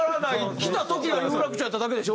来た時が有楽町やっただけでしょ？